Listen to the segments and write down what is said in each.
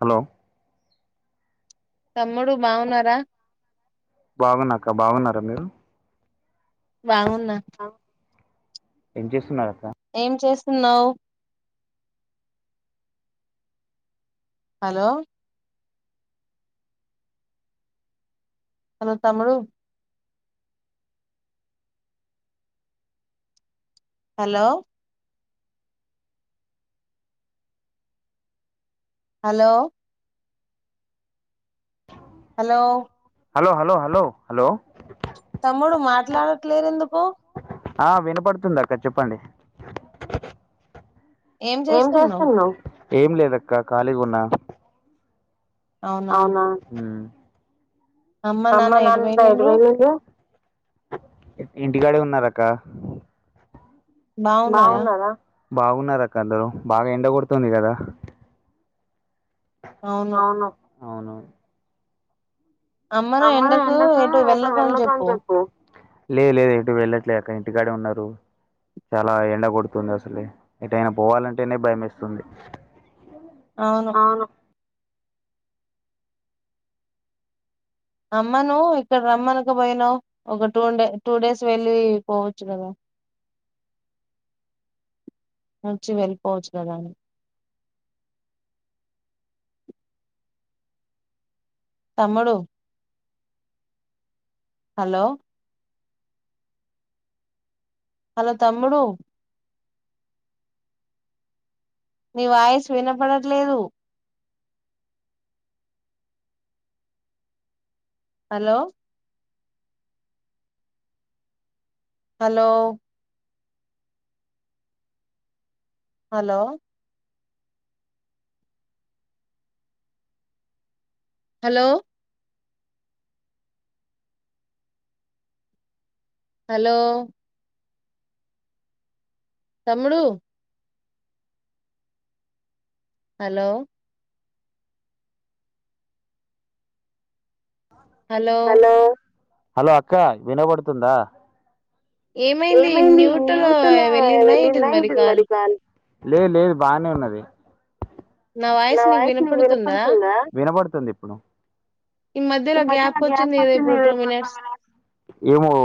hello బాగున్నా అక్కా బాగున్నా కాక మీరు బాగున్నా ఏం చేస్తున్నారక్క ఏం చేస్తున్నావ్ హలో హలో తమ్ముడు hello hello hello hello hello hello hello తమ్ముడు మాట్లాడట్లేదెందుకు ఆ వినపడుతుంది అక్క చెప్పండి ఏం చేస్తున్నావ్ ఏం లేదక్క ఖాళీగున్నా అవునా ఉమ్ అమ్మ నాన్న ఎడ్పొయిండ్రు ఇంటికాడే ఉన్నారు అక్క బాగున్నారా బాగున్నారు అక్క అందరు బాగా ఎండగొడుతుంది కదా అవును అమ్మను ఎండకు ఎటు వెళ్ళకు అని చెప్పు లేదు లేదు ఎటు వెళ్ళట్లేదు అక్క ఇంటికాడే ఉన్నారు చాలా ఎండ కొడుతుంది అసలే ఎటైనా పోవాలంటేనే భయమేస్తుంది అవును అమ్మను ఇక్కడ రమ్మనక పోయినా ఒక టూ డే టూ డేస్ వెళ్ళి పోవచ్చు కదా ముచ్చి వెళపోవచ్చు కదాని తమ్ముడు హలో హలో తమ్ముడు నీ వాయిస్ వినపడట్లేదు hello hello hello hello hello తమ్ముడు హలో హలో హలో అక్క వినబడుతుందా ఏమైంది న్యూటల వెళ్ళిందా ఏంది మరి కాల్ లే లేదు బానే ఉన్నది నా వాయిస్ నీకు వినపడుతుందా వినబడుత్ తుంది ఇప్పుడు ఈ మధ్యలో గ్యాప్ వచ్చింది కదా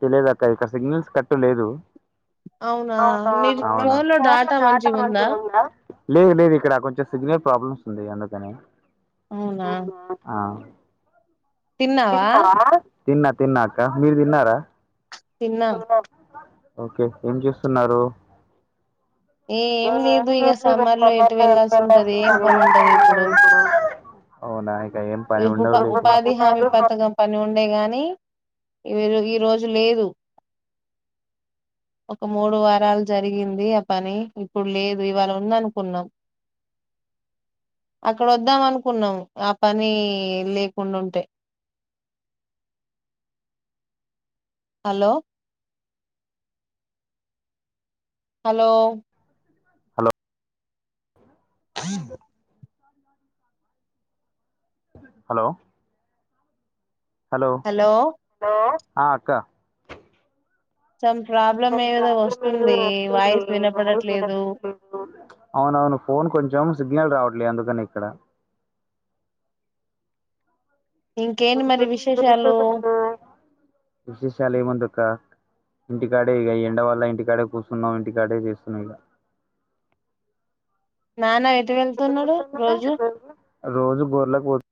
టు మినిట్స్ లేదు అవునా మీరు ఫోన్ లో డేటా మంచిగా ఉందా లేదు లేదు ఇక్కడ కొంచెం సిగ్నల్ ప్రాబ్లమ్స్ ఉంది అందుకని అవునా ఆ తిన్నావా తిన్న తిన్న అక్క మీరు తిన్నారా తిన్నాం ఒకే ఏం చేస్తున్నారు నేనేం చేయట్లేదు ఇంకా సామాన్లు ఎంట్వన్న ఏసుకుంటా కడిగేది ఇప్పుడు హామీ పథకం పని ఉండే గాని ఈ ఈ రోజు లేదు ఒక మూడు వారాలు జరిగింది పని ఇప్పుడు లేదు ఇవాళ ఉందనుకున్నాం అక్కడ వద్దామనుకున్నాం ఆ పని లేకుండ ఉంటే hello hello hello hello hello ఆ అక్క అవునవును ఫోన్ కొంచం సిగ్నల్ రావట్లే అందుకని ఇక్కడ ఇంకేంటి మరి విశేషాలు విశేషాలు ఏం ఉంది అక్క ఇంటికాడే ఇక ఎండ వల్ల ఇంటికాడే కూర్చున్నావు ఇంటికాడే చేస్తున్నావు ఇక రోజు గోరలకి పోతు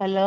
హలో